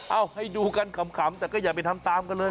เอาให้ดูกันขำแต่ก็อย่าไปทำตามกันเลย